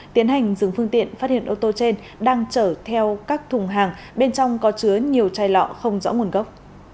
tiến hành dừng phương tiện phát hiện ô tô trên đang chở theo các thùng hàng bên trong có chứa nhiều chai lọ không rõ nguồn gốc